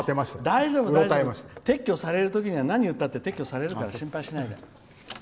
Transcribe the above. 大丈夫、撤去されるときには何言ったって撤去されるから心配しないで！